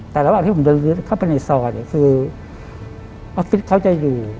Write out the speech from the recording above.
แต่ระหว่างที่ผมเดินเข้าไปในซอยเนี่ยคือออฟฟิศเขาจะอยู่